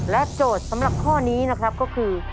โจทย์สำหรับข้อนี้นะครับก็คือ